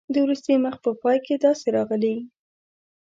د وروستي مخ په پای کې داسې راغلي.